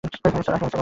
হ্যাঁ, সারাহ।